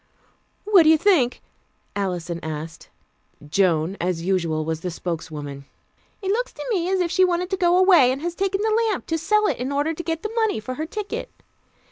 "What do you think?" Alison asked. Joan, as usual, was the spokeswoman. "It looks to me as if she wanted to go away, and has taken the lamp to sell it in order to get the money for her ticket.